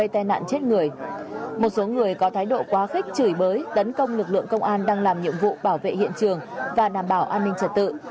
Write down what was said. tại nạn chết người một số người có thái độ quá khích chửi bới tấn công lực lượng công an đang làm nhiệm vụ bảo vệ hiện trường và đảm bảo an ninh trật tự